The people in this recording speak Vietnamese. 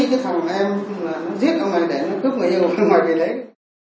nó giết thằng này để nó cướp người yêu của thằng này về đấy